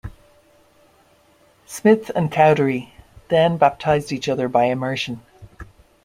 Smith and Cowdery then baptized each other by immersion.